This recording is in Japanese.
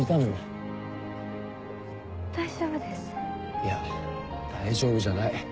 いや大丈夫じゃない。